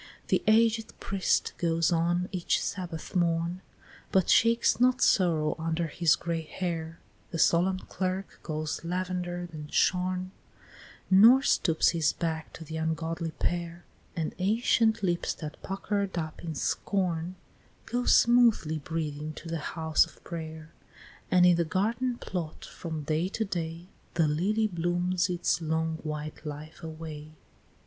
The aged priest goes on each Sabbath morn, But shakes not sorrow under his gray hair; The solemn clerk goes lavender'd and shorn Nor stoops his back to the ungodly pair; And ancient lips that pucker'd up in scorn, Go smoothly breathing to the house of pray'r; And in the garden plot, from day to day, The lily blooms its long white life away.